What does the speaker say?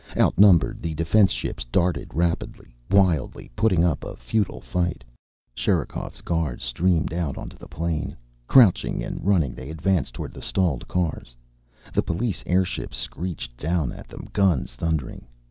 Outnumbered, the defense ships darted rapidly, wildly, putting up a futile fight. Sherikov's guards streamed out onto the plain. Crouching and running, they advanced toward the stalled cars. The police airships screeched down at them, guns thundering.